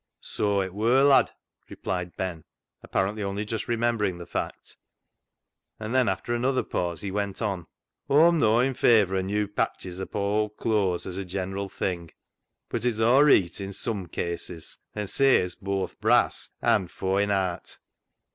" Soa it wur, lad," replied Ben, apparently only just remembering the fact, and then, after another pause, he went on —" Aw'm nor i' favour of new patches upo* owd cloas as a general thing, but it's aw reet i' sum cases, and saves boath brass an* fawin* aat."